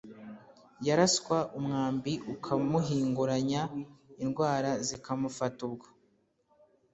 yaraswa umwambi ukamuhinguranya indwara zikamufata ubwo